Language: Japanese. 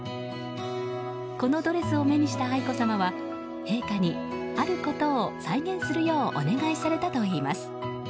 このドレスを目にした愛子さまは陛下に、あることを再現するようお願いされたといいます。